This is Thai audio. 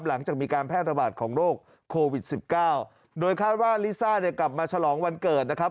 หลังจากมีการแพร่ระบาดของโรคโควิด๑๙โดยคาดว่าลิซ่าเนี่ยกลับมาฉลองวันเกิดนะครับ